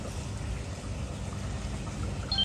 • تيارو كي نه يمه زه ټول يم د رڼا پـــر پـــاڼــــــــــــه.